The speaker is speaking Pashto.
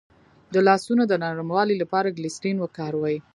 د لاسونو د نرموالي لپاره ګلسرین وکاروئ